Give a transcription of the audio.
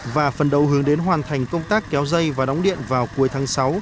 và phần đầu hướng đến hoàn thành công tác kéo dây và đóng điện vào cuối tháng sáu